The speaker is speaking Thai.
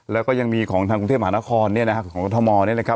แล้วก็ยังมีของทางกรุงเทพมหานครเนี่ยนะฮะของกรทมเนี่ยนะครับ